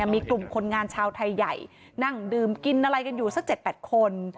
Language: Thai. มีกลุ่มคนงานชาวไทยใหญ่นั่งดื่มกินอะไรกันอยู่สัก๗๘คน